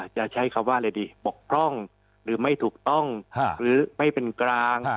จะใช้คำว่าอะไรดีปกพร่องหรือไม่ถูกต้องหรือไม่เป็นกลาง